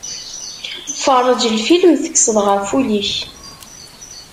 Ferrej lfilm, tekkseḍ ɣef ul-ik.